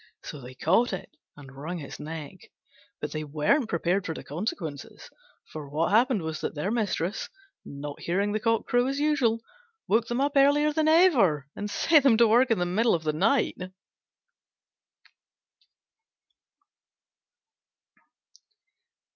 So they caught it and wrung its neck. But they weren't prepared for the consequences. For what happened was that their Mistress, not hearing the cock crow as usual, waked them up earlier than ever, and set them to work in the middle of the night.